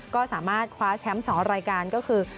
ก็สามารถคว้าแชมป์๒รายการก็คือ